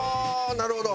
なるほど。